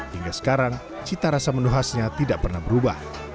hingga sekarang cita rasa menu khasnya tidak pernah berubah